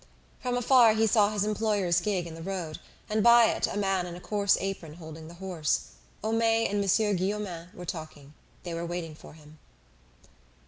From afar he saw his employer's gig in the road, and by it a man in a coarse apron holding the horse. Homais and Monsieur Guillaumin were talking. They were waiting for him.